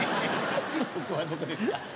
「ここはどこですか」。